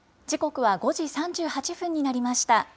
時刻は５時３８分になりました。